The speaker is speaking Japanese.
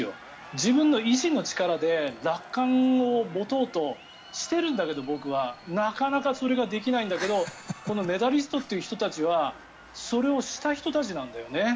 自分の意思の力で楽観を持とうとしているんだけど僕はなかなかそれができないんだけどこのメダリストという人たちはそれをした人たちなんだよね。